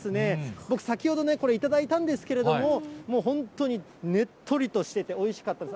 僕、先ほど頂いたんですけれども、もう本当にねっとりとしてて、おいしかったです。